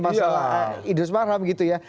masalah idrus marham gitu ya